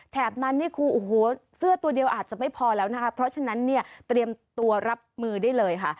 นั้นนี่คือโอ้โหเสื้อตัวเดียวอาจจะไม่พอแล้วนะคะเพราะฉะนั้นเนี่ยเตรียมตัวรับมือได้เลยค่ะ